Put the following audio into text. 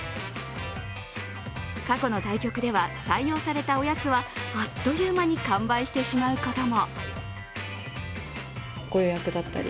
過去の対局では採用されたおやつはあっという間に完売してしまうことも。